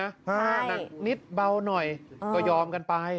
ถ้าหนักนิดเบาหน่อยก็ยอมกันไป